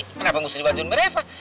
kenapa musti dibantuin sama reva